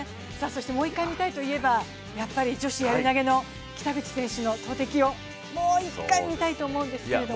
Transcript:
もう一回見たいといえば女子やり投の北口選手の投てきをもう１回見たいと思うんですけど。